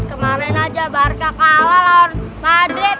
kemarin aja barga kalah lawan madrid